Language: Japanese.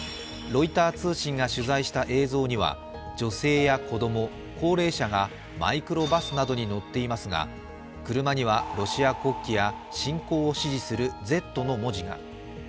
ロイター通信が取材した映像には女性や子供、高齢者がマイクロバスなどに乗っていますが、車にはロシア国旗や侵攻を支持するＺの文字が。